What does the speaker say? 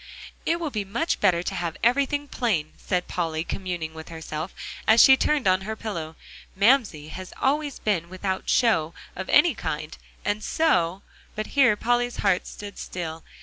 "It will be much better to have everything plain," said Polly, communing with herself, as she turned on her pillow. "Mamsie has always been without show, of any kind, and so," but here Polly's heart stood still.